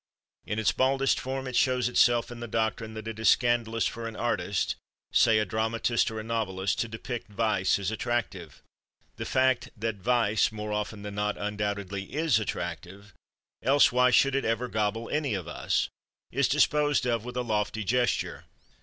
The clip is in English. In its baldest form it shows itself in the doctrine that it is scandalous for an artist—say a dramatist or a novelist—to depict vice as attractive. The fact that vice, more often than not, undoubtedly is attractive—else why should it ever gobble any of us?—is disposed of with a lofty gesture.